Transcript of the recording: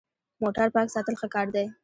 موټر پاک ساتل ښه کار دی.